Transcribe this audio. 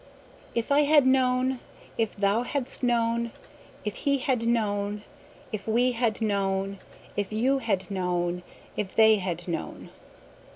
'" "If I had known "If we had known If thou hadst known If you had known If he had known If they had known.